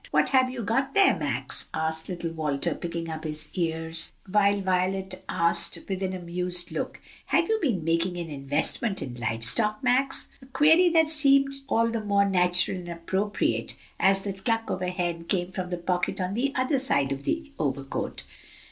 What have you got there, Max?" asked little Walter, pricking up his ears, while Violet asked with an amused look, "Have you been making an investment in livestock, Max?" A query that seemed all the more natural and appropriate as the cluck of a hen came from the pocket on the other side of the overcoat.